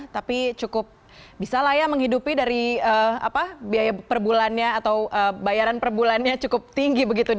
tapi cukup bisa lah ya menghidupi dari apa biaya perbulannya atau bayaran perbulannya cukup tinggi begitu ya